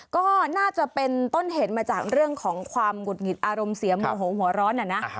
ก็น่าจะเป็นต้นเหตุมาจากเรื่องของความหงุดหงิดอารมณ์เสียโมโหหัวร้อนนะนะ